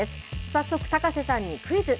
早速、高瀬さんにクイズ。